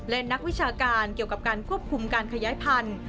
และนักวิชาการเกี่ยวกับการควบคุมการขยายพันธุ์